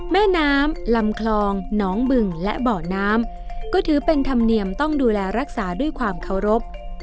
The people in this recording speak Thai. แม่น้ำลำคลองหนองบึงและเบาะน้ำก็ถือเป็นธรรมเนียมต้องดูแลรักษาด้วยความเคารพ